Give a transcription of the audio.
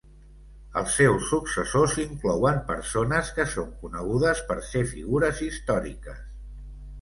Els seus successors inclouen persones que són conegudes per ser figures històriques.